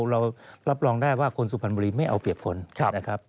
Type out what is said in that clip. เรารับรองได้ว่าคนสุพรรณบุรีไม่เอาเปรียบผลนะครับ